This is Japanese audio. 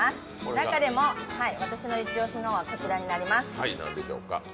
中でも私のイチ押しのは、こちらになります。